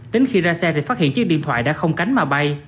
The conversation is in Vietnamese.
đến khi ra xe thì phát hiện chiếc điện thoại đã không cánh mà bay